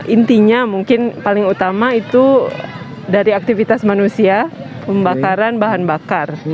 intinya mungkin paling utama itu dari aktivitas manusia pembakaran bahan bakar